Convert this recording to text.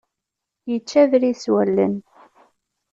Yečča abrid s wallen.